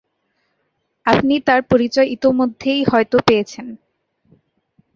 আপনি তার পরিচয় ইতোমধ্যেই হয়তো পেয়েছেন।